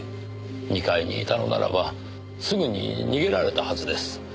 ２階にいたのならばすぐに逃げられたはずです。